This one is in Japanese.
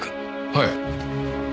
はい。